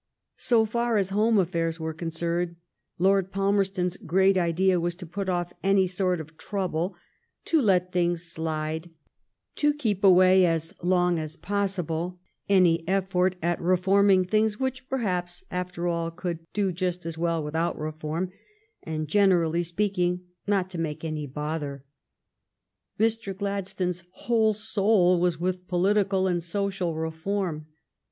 So far as home affairs were concerned, Lord Palmer ston's great idea was to put off any sort of trouble, to let things slide, to keep away as long as possible any effort at reforming things which perhaps after all could do just as well without reform, and, gen erally speaking, not to make any bother. Mr. Gladstone's whole soul was with political and social reform.